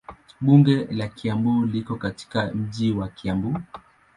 Bunge la Kiambu liko katika mji wa Kiambu.